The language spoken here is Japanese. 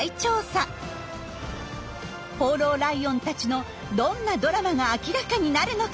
放浪ライオンたちのどんなドラマが明らかになるのか。